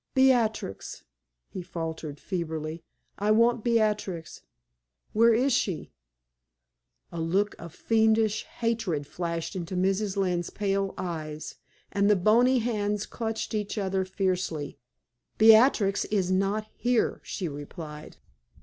"Beatrix!" he faltered, feebly. "I want Beatrix. Where is she?" A look of fiendish hatred flashed into Mrs. Lynne's pale eyes, and the bony hands clutched each other fiercely. "Beatrix is not here," she replied.